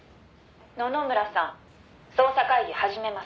「野々村さん捜査会議始めます」